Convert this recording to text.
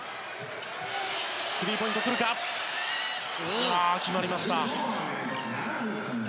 スリーポイント、決まりました。